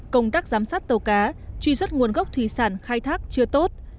công tác giám sát tàu cá truy xuất nguồn gốc thủy sản khai thác chưa tốt